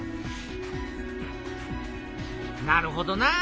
なるほどな。